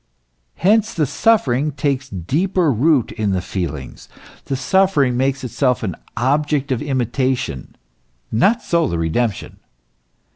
Hence the suffering takes deeper root in the feelings ; the suffering makes itself an object of imitation ; not so the redemption.